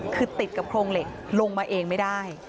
คือติดกับโครงเหล็กลงมาเองไม่ได้